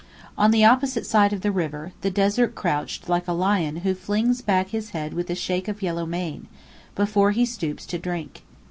On the opposite side of the river, the desert crouched like a lion who flings back his head with a shake of yellow mane, before he stoops to drink.